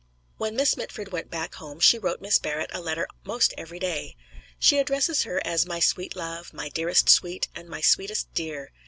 '" When Miss Mitford went back home, she wrote Miss Barrett a letter 'most every day. She addresses her as "My Sweet Love," "My Dearest Sweet," and "My Sweetest Dear."